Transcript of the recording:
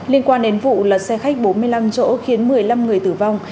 liên quan đến vụ lật xe khách bốn mươi năm chỗ khiến một mươi năm người tử vong